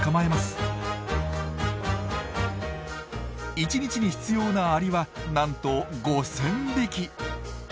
１日に必要なアリはなんと５，０００匹。